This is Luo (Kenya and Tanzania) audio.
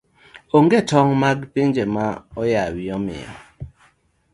Onge tong' mag pinje ma oyawi omiyo